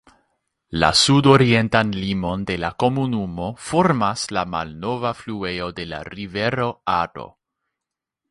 La sudorientan limon de la komunumo formas la malnova fluejo de la rivero Aro.